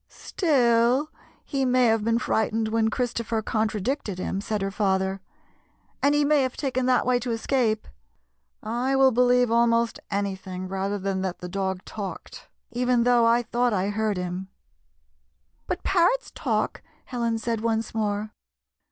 " Still, he may have been frightened when Christopher contradicted him," said her father, "and he may have taken that way to escape. I will believe almost anything rather than that the dog talked, even though I thought I heard him" " But parrots talk," Helen said once more.